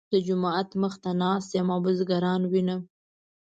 د جومات مخ ته ناست یم او بزګران وینم.